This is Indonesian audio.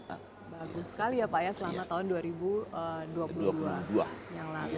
bagus sekali ya pak ya selama tahun dua ribu dua puluh dua yang lalu